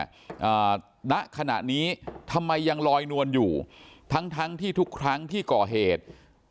อ่าณขณะนี้ทำไมยังลอยนวลอยู่ทั้งทั้งที่ทุกครั้งที่ก่อเหตุ